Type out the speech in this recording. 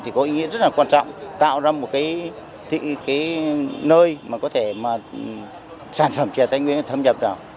thì có ý nghĩa rất là quan trọng tạo ra một cái nơi mà có thể mà sản phẩm chè tây nguyên thâm nhập vào